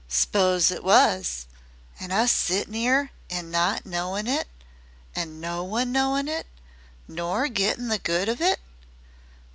"S'pose it was an' us sittin' 'ere an' not knowin' it an' no one knowin' it nor gettin' the good of it.